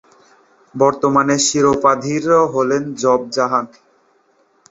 বর্তমান শিরোপাধারী হলেন জোব জাহান।